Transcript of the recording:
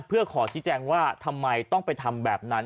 เพื่อขอที่แจ้งว่าทำไมต้องไปทำแบบนั้น